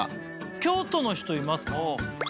京都の人いますか？